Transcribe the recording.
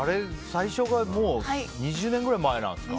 最初がもう２０年くらい前なんですか。